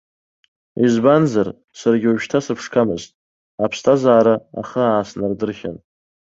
Избанзар, саргьы уажәшьҭа сыԥшқамызт, аԥсҭазаара ахы ааснардырхьан.